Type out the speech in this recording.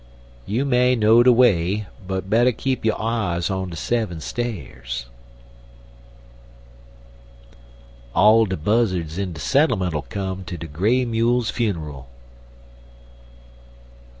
You may know de way, but better keep yo' eyes on de seven stairs. All de buzzards in de settlement 'll come to de gray mule's funer'l.